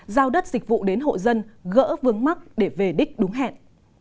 giao đất dịch vụ đến hộ dân gỡ vướng mắt để về đích đúng hẹn